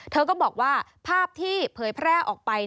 เธอก็บอกว่าภาพที่เผยแพร่ออกไป